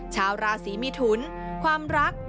ชาวราศีมิถุนความรัก